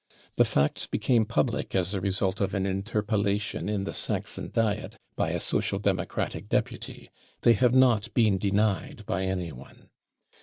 The facts became public as the result of an interpellation in the Saxon Diet by a Social Democratic deputy. They have not been denied by anyone.